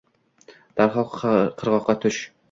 — Darhol qirg‘oqqa tush!